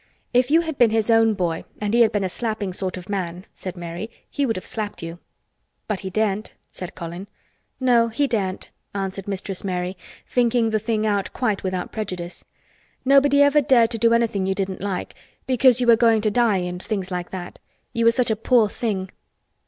"If you had been his own boy and he had been a slapping sort of man," said Mary, "he would have slapped you." "But he daren't," said Colin. "No, he daren't," answered Mistress Mary, thinking the thing out quite without prejudice. "Nobody ever dared to do anything you didn't like—because you were going to die and things like that. You were such a poor thing."